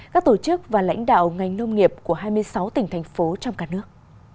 các tổ chức và lãnh đạo ngành nông nghiệp của hai mươi sáu tỉnh thành phố trong cả nước